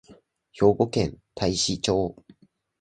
兵庫県太子町